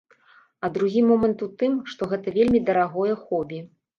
А другі момант у тым, што гэта вельмі дарагое хобі.